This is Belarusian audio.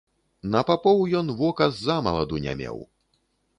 На папоў ён вока ззамаладу не меў.